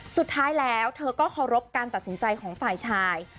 สุดท้ายแล้วเธอก็เคารพการตัดสินใจของฝ่ายชาย